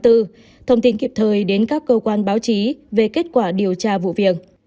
thông tin kịp thời đến các cơ quan báo chí về kết quả điều tra vụ việc